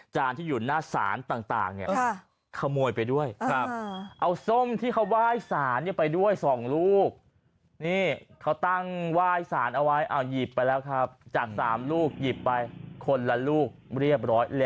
จานที่อยู่หน้าศาลต่างเนี่ย